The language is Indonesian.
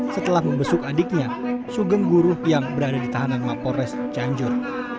setelah membesuk adiknya sugeng guru yang berada di tahanan mapores cianjur